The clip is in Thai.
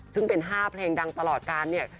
ซึ่งเป็น๕เพลงดังตลอดการเนี่ย